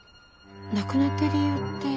亡くなった理由って。